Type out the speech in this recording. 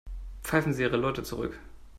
Pfeifen Sie Ihre Leute zurück.